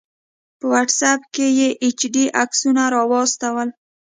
په واټس آپ کې یې ایچ ډي عکسونه راواستول